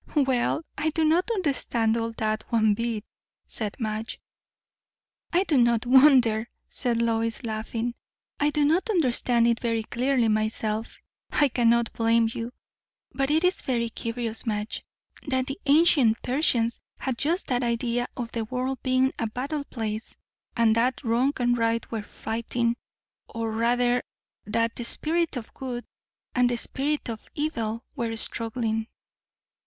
"Well, I do not understand all that one bit!" said Madge. "I do not wonder," said Lois, laughing, "I do not understand it very clearly myself. I cannot blame you. But it is very curious, Madge, that the ancient Persians had just that idea of the world being a battle place, and that wrong and right were fighting; or rather, that the Spirit of good and the Spirit of evil were struggling.